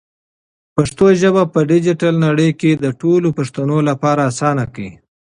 پښتو ژبه په ډیجیټل نړۍ کې د ټولو پښتنو لپاره اسانه کړئ.